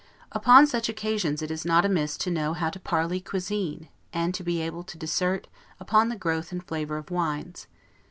Upon such occasions it is not amiss to know how to parley cuisine, and to be able to dissert upon the growth and flavor of wines.